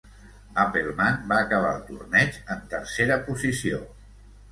Appleman va acabar el torneig en tercera posició.